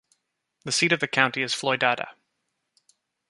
The seat of the county is Floydada.